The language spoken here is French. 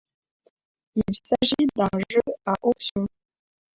Il s'agit d'un jeu à option.